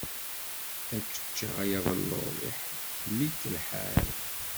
Ad k-ččeɣ a yabelluḍ, iḥettem-ik lḥal.